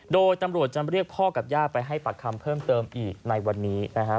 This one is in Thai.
โดยตำรวจจะเรียกพ่อกับย่าไปให้ปากคำเพิ่มเติมอีกในวันนี้นะฮะ